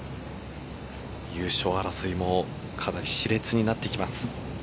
優勝争いもかなり熾烈になってきます。